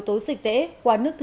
tố dịch tễ qua nước việt nam